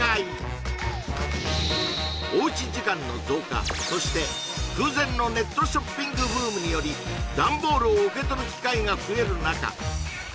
これそして空前のネットショッピングブームによりダンボールを受け取る機会が増える中